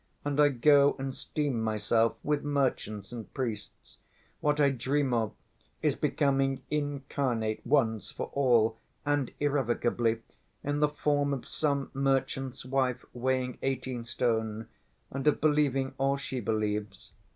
and I go and steam myself with merchants and priests. What I dream of is becoming incarnate once for all and irrevocably in the form of some merchant's wife weighing eighteen stone, and of believing all she believes.